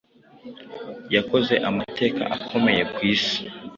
yakoze amateka akomeye kw'isi